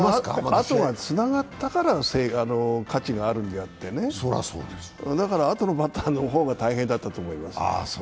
あとはつながったから価値があるんですねだから後のバッターの方が大変だったと思います。